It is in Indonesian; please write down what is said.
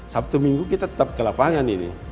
sabtu minggu kita tetap ke lapangan ini